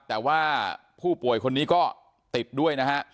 แต่ว่าผู้ป่วยคนนี้ก็ติดด้วยนะฮะ